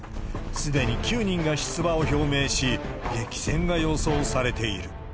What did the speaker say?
すでに９人が出馬を表明し、激戦が予想されている。